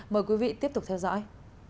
mời quý vị tiếp tục theo dõi